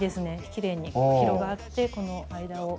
きれいに広がってこの間を。